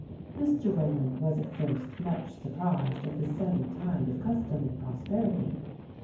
Mr. Rowland was at first much surprised at the sudden tide of custom' and prosperity.